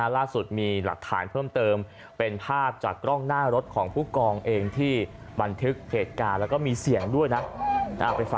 ล่าสุดมีหลักฐานเพิ่มเติมเป็นภาพจากกล้องหน้ารถของผู้กองเองที่บันทึกเหตุการณ์แล้วก็มีเสียงด้วยนะ